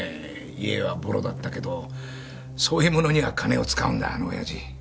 家はボロだったけどそういうものには金を使うんだあのオヤジ。